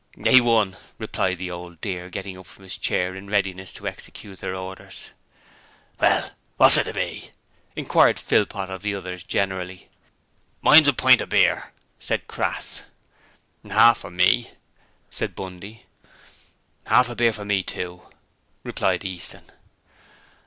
'A.1,' replied the 'Old Dear', getting up from his chair in readiness to execute their orders. 'Well, wot's it to be?' inquired Philpot of the others generally. 'Mine's a pint o' beer,' said Crass. 'Half for me,' said Bundy. 'Half o' beer for me too,' replied Easton.